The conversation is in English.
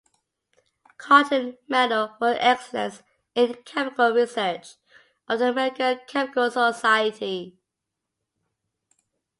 Cotton Medal for Excellence in Chemical Research of the American Chemical Society.